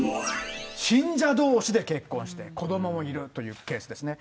信者どうしで結婚して、子どももいるというケースですね。